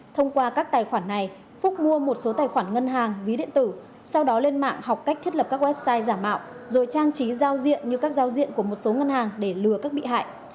thông qua các tài khoản này phúc mua một số tài khoản ngân hàng ví điện tử sau đó lên mạng học cách thiết lập các website giả mạo rồi trang trí giao diện như các giao diện của một số ngân hàng để lừa các bị hại